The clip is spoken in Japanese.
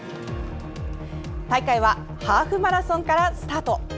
大会はハーフマラソンからスタート。